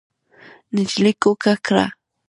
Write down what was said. نجلۍ کوکه کړه.